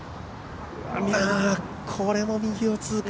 これも右を通過。